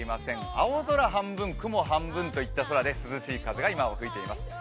青空半分、雲半分といった空で涼しい風が今吹いています。